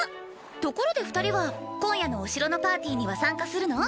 ところで二人は今夜のお城のパーティーには参加するの？